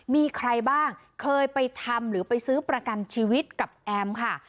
มีใครบ้างเคยไปทำหรือไปซื้อประกันชีวิตกับแอมค่ะ